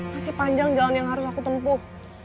masih panjang jalan yang harus aku tempuh